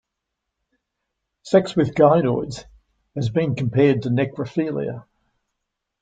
Sex with gynoids has been compared to necrophilia.